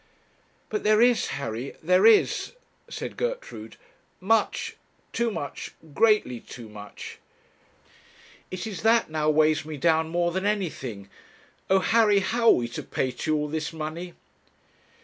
'But there is, Harry; there is,' said Gertrude; 'much too much greatly too much. It is that now weighs me down more than anything. Oh! Harry, how are we to pay to you all this money?'